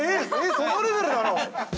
そのレベルなの！？